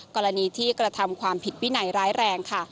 กรณีที่กระทำความผิดวินัยร้ายแรงค่ะ